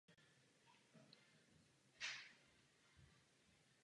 Pavel Opatřil.